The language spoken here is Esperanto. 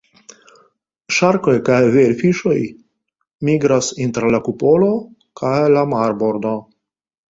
Ŝarkoj kaj velfiŝoj migras inter la kupolo kaj la marbordo.